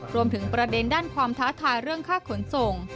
รวมถึงประเด็นด้านความท้าทายเรื่องค่าขนส่ง